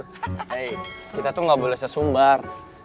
hei kita tuh gak boleh sesumbar